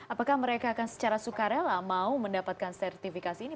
apakah mereka akan secara sukarela mau mendapatkan sertifikasi ini